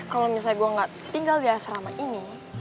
kalo misalnya gua gak tinggal di asrama ini